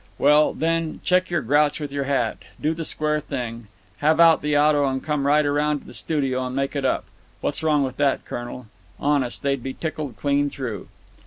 Well, then, check your grouch with your hat. Do the square thing. Have out the auto and come right round to the studio and make it up. What's wrong with that, colonel? Honest, they'd be tickled clean through."